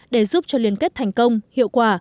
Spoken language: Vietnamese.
để giúp cho liên kết thành công hiệu quả